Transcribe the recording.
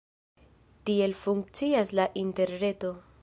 Tiel funkcias la interreto.